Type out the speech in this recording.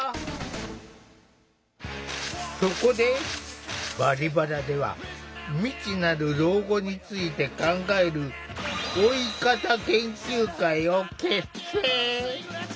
そこで「バリバラ」では未知なる老後について考える「老い方研究会」を結成。